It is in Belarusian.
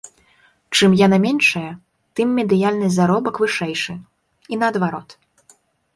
Чым яна меншая, тым медыяльны заробак вышэйшы, і наадварот.